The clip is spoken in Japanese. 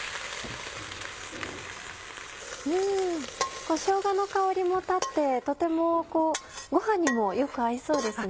うんしょうがの香りも立ってとてもご飯にもよく合いそうですね。